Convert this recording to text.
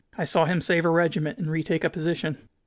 I saw him save a regiment and retake a position."